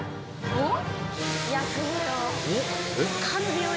おっ？